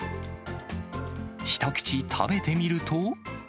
一口食べてみると。